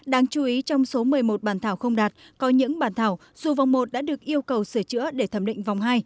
đáng chú ý trong số một mươi một bản thảo không đạt có những bản thảo dù vòng một đã được yêu cầu sửa chữa để thẩm định vòng hai